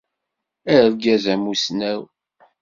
Argaz amussnaw.